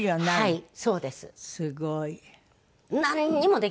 はい。